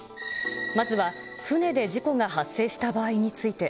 まずは船で事故が発生した場合について。